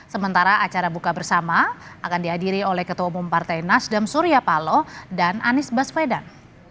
sementara acara buka bersama akan dihadiri oleh ketua umum partai nasdem surya paloh dan anies baswedan